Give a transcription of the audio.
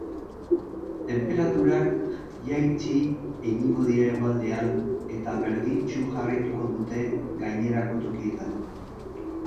Tenperaturak jaitsi egingo dira hegoaldean, eta berdintsu jarraituko dute gainerako tokietan.